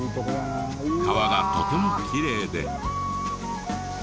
川がとてもきれいで。